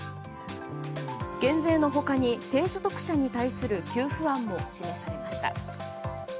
減税の他に低所得者に対する給付案も示されました。